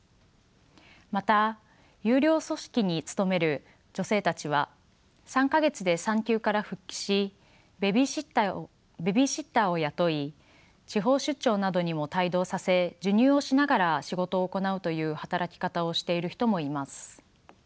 また優良組織に勤める女性たちは３か月で産休から復帰しベビーシッターを雇い地方出張などにも帯同させ授乳をしながら仕事を行うという働き方をしている人もいます。